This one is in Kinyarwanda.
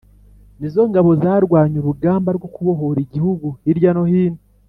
nizo ngabo zarwanye urugamba rwo kubohora igihugu hiryo no hino .